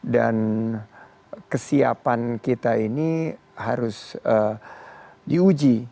dan kesiapan kita ini harus diuji